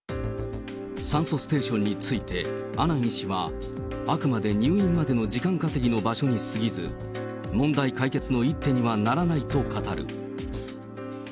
酸素ステーションについて阿南医師は、あくまで入院までの時間稼ぎの場所にすぎず、問題解決の一手にはならないと語る。